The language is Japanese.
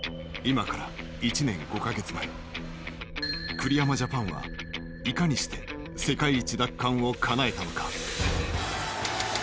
栗山ジャパンはいかにして世界一奪還をかなえたのか？